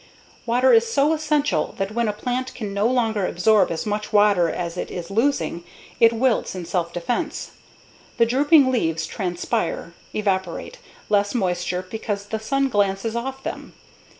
Water is so essential that when a plant can no longer absorb as much water as it is losing, it wilts in self defense. The drooping leaves transpire (evaporate) less moisture because the sun glances off them.